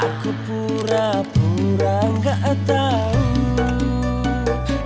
aku pura pura gak tahu